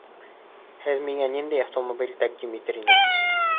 Һеҙ миңә ниндәй автомобиль тәҡдим итер инегеҙ?